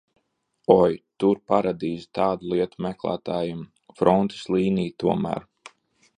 Oi, tur paradīze tādu lietu meklētājiem, frontes līnija tomēr.